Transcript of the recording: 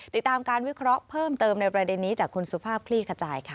ติดตามการวิเคราะห์เพิ่มเติมในประเด็นนี้จากคุณสุภาพคลี่ขจายค่ะ